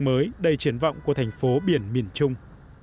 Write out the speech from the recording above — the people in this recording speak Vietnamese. mới đầy triển vọng của thành phố biển miền trung